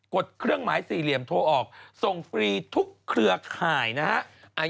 ดเครื่องหมายสี่เหลี่ยมโทรออกส่งฟรีทุกเครือข่ายนะฮะ